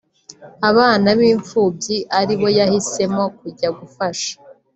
abana b’imfubyi aribo yahisemo kujya gufasha